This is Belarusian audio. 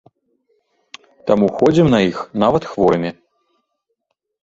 Таму ходзім на іх нават хворымі.